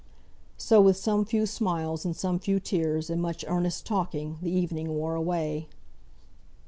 So with some few smiles, and some few tears, and much earnest talking, the evening wore away.